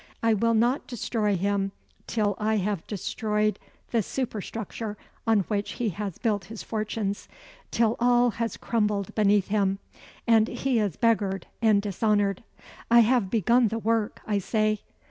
I will not destroy him till I have destroyed the superstructure on which he has built his fortunes till all has crumbled beneath him and he is beggared and dishonoured. I have begun the work, I say.